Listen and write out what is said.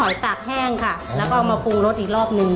ตากแห้งค่ะแล้วก็เอามาปรุงรสอีกรอบหนึ่ง